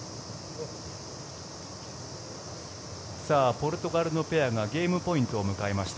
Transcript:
ポルトガルのペアがゲームポイントを迎えました。